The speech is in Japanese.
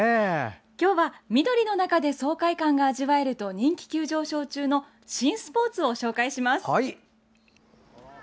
今日は緑の中で爽快感が味わえると人気急上昇中の新スポーツを紹介します。